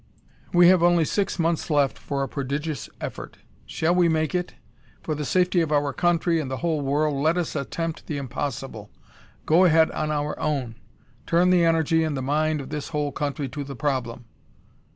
"We have only six months left for a prodigious effort. Shall we make it? For the safety of our country and the whole world let us attempt the impossible: go ahead on our own; turn the energy and the mind of this whole country to the problem.